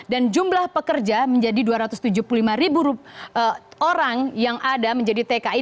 dan jumlah pekerja menjadi dua ratus tujuh puluh lima ribu orang yang ada menjadi tki